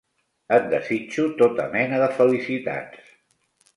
Et desitjo tota mena de felicitats.